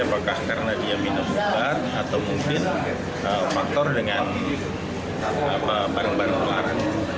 apakah karena dia minum obat atau mungkin faktor dengan barang barang kelaran